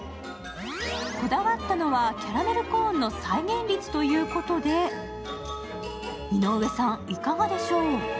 こだわったのは、キャラメルコーンの再現率ということで井上さん、いかがでしょう。